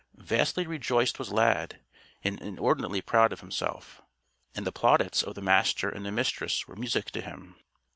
Vastly rejoiced was Lad, and inordinately proud of himself. And the plaudits of the Master and the Mistress were music to him.